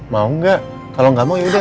mau nggak kalau nggak mau yaudah